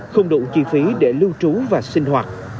không đủ chi phí để lưu trú và sinh hoạt